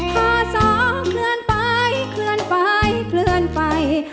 พอสอเคลื่อนไปเคลื่อนไปเคลื่อนไป